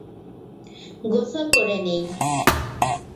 গোসল করে নিই।